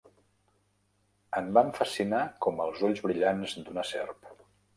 Em van fascinar, com els ulls brillants d'una serp.